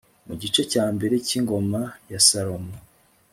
mu gice cya mbere cy'ingoma ya salomo